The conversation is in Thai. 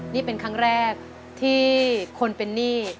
นี่เป็นครั้งแรกที่คนเป็นหนี้